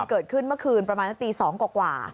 เกิดขึ้นเมื่อคืนประมาณสักตี๒กว่า